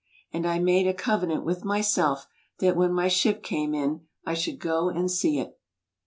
And I made a covenant with myself that when my ship came in I should go and see it.